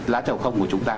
lá châu không của chúng ta